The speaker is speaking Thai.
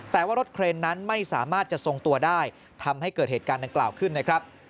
แต่ว่ารถเครนนั้นไม่สามารถจะทรงตัวได้ทำให้เกิดเหตุการณ์ดังกล่าวขึ้นนะครับ